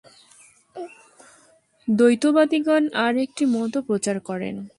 দ্বৈতবাদিগণ আর একটি মতও প্রচার করেন।